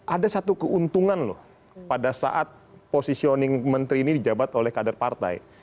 ada satu keuntungan loh pada saat posisioning menteri ini di jabat oleh kader partai